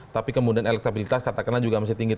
tapi kemudian elektabilitas katakanlah juga masih tinggi